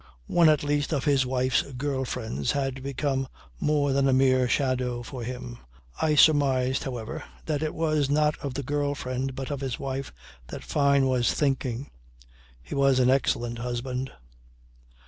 One at least of his wife's girl friends had become more than a mere shadow for him. I surmised however that it was not of the girl friend but of his wife that Fyne was thinking. He was an excellent husband.